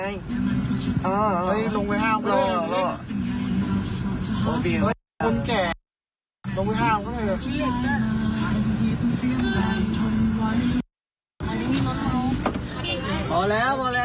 ยังไงลงไปห้ามเขาแล้ว